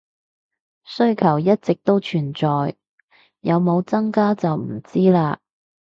需求一直都存在，有冇增加就唔知喇